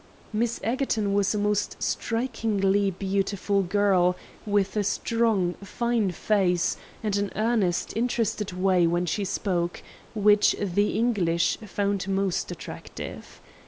Miss Egerton was a most strikingly beautiful girl, with a strong, fine face, and an earnest, interested way when she spoke, which the English found most attractive.